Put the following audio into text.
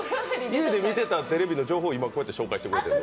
家で見てたテレビの情報を今、紹介してたん？